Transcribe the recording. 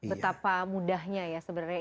betapa mudahnya ya sebenarnya